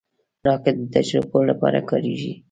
راکټ د تجربو لپاره کارېږي